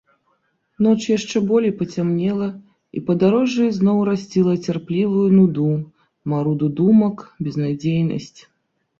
Ноч яшчэ болей пацямнела, і падарожжа ізноў расціла цярплівую нуду, маруду думак, безнадзейнасць.